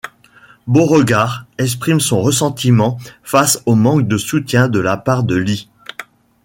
Beauregard exprime son ressentiment face au manque de soutien de la part de Lee.